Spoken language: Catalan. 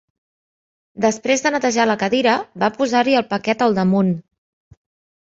Després de netejar la cadira, va posar-hi el paquet al damunt.